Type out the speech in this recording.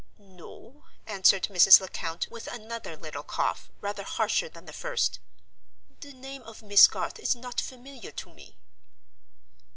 "No," answered Mrs. Lecount, with another little cough, rather harsher than the first. "The name of Miss Garth is not familiar to me."